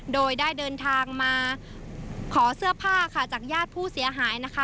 โดยได้เดินทางมาขอเสื้อผ้าค่ะจากญาติผู้เสียหายนะคะ